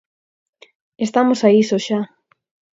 Estamos a iso xa.